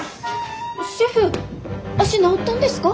シェフ足治ったんですか？